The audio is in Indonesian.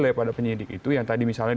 daripada penyidik itu yang tadi misalnya